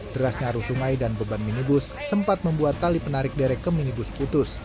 derasnya arus sungai dan beban minibus sempat membuat tali penarik derek ke minibus putus